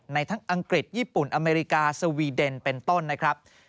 ทั้งอังกฤษญี่ปุ่นอเมริกาสวีเดนเป็นต้นนะครับ